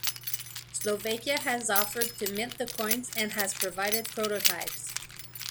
Slovakia has offered to mint the coins, and has provided prototypes.